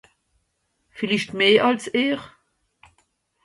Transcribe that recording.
Villicht meh àls ìhr.